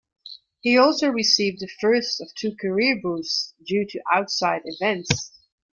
He also received the first of two career boosts due to outside events.